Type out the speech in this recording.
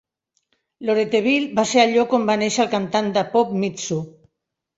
Loretteville va ser el lloc on va néixer la cantant de pop Mitsou.